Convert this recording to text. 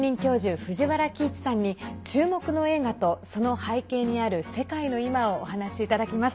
藤原帰一さんに注目の映画と、その背景にある世界のいまをお話いただきます。